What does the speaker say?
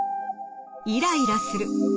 イライラする。